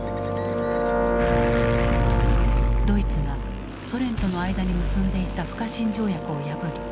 ドイツがソ連との間に結んでいた不可侵条約を破り